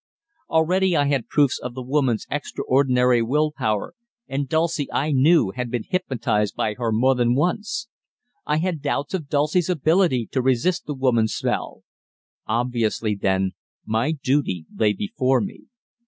Already I had proofs of the woman's extraordinary will power, and Dulcie, I knew, had been hypnotized by her more than once. I had doubts of Dulcie's ability to resist the woman's spell. Obviously, then, my duty lay before me.